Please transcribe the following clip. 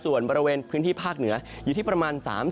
ส่วนบริเวณพื้นที่ภาคเหนืออยู่ที่ประมาณ๓๐